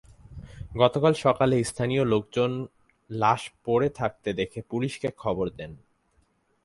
গতকাল সকালে স্থানীয় লোকজন লাশ পড়ে থাকতে দেখে পুলিশকে খবর দেন।